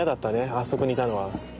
あそこにいたのは。